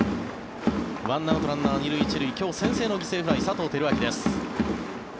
１アウトランナー１塁２塁今日、先制の犠牲フライ佐藤輝明です。